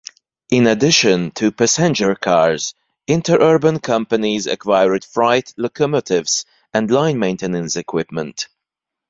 In addition to passenger cars, interurban companies acquired freight locomotives and line maintenance equipment.